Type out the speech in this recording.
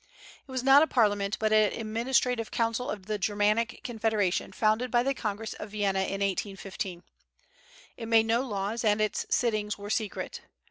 It was not a parliament, but an administrative council of the Germanic Confederation founded by the Congress of Vienna in 1815. It made no laws, and its sittings were secret.